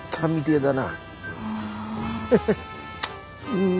うん。